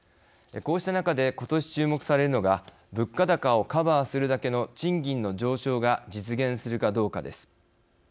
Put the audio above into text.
こうした中で今年注目されるのが物価高をカバーするだけの賃金の上昇が実現するかどうかです。